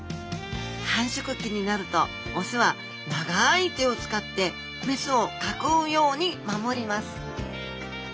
繁殖期になると雄は長い手を使って雌を囲うように守ります。